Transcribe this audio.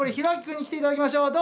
君に来ていただきましょう。